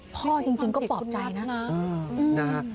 พ่อจริงก็โปรดใจนะ